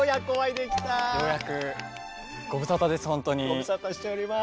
ご無沙汰しております。